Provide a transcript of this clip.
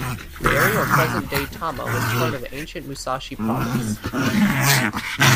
The area of present-day Tama was part of ancient Musashi Province.